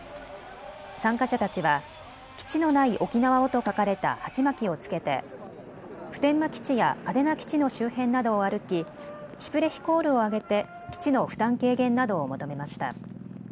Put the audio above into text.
参加者たちは基地のない沖縄をと書かれた鉢巻きをつけて普天間基地や嘉手納基地の周辺などを歩きシュプレヒコールを上げて基地の負担軽減などを求めました。